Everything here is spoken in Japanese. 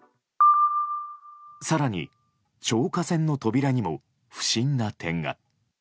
更に、消火栓の扉にも不審な点が。